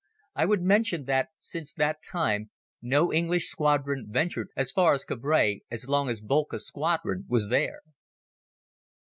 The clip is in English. I would mention that since that time no English squadron ventured as far as Cambrai as long as Boelcke's squadron was there.